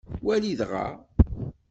Wali dɣa.